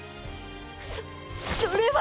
そっそれは。